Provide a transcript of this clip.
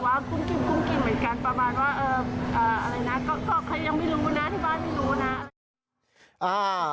ก็ใครยังไม่รู้นะที่บ้านไม่รู้นะ